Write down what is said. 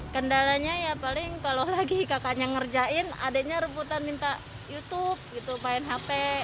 kendalanya ya paling kalau lagi kakaknya ngerjain adanya rebutan minta youtube gitu main hp